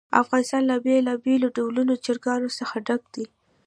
افغانستان له بېلابېلو ډولو چرګانو څخه ډک دی.